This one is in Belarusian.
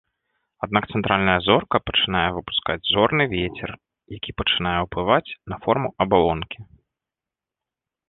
Аднак цэнтральная зорка пачынае выпускаць зорны вецер, які пачынае ўплываць на форму абалонкі.